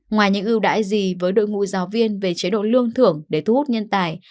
ngoài những ưu đãi gì với đội ngũ giáo viên về chế độ lương thưởng để thu hút nhân tài